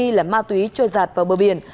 ghi là ma túy trôi giạt vào bờ biển